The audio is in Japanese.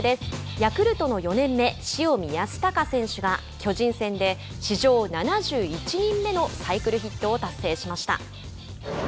ヤクルトの４年目塩見泰隆選手が巨人戦で、史上７１人目のサイクルヒットを達成しました。